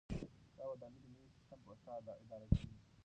دا ودانۍ د نوي سیسټم په واسطه اداره کیږي.